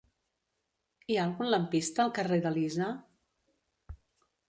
Hi ha algun lampista al carrer d'Elisa?